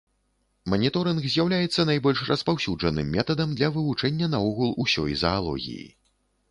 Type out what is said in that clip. Маніторынг з'яўляецца найбольш распаўсюджаным метадам для вывучэння наогул усёй заалогіі.